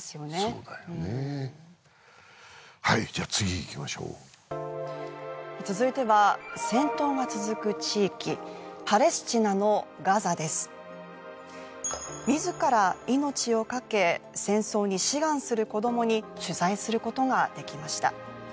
そうだよねはいじゃ次いきましょう続いては戦闘が続く地域パレスチナのガザです自ら命をかけ戦争に志願する子どもに取材することができました